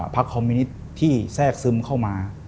คอมมินิตที่แทรกซึมเข้ามา